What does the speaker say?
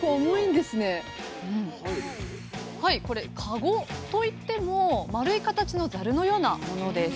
これかごといっても丸い形のザルのようなものです。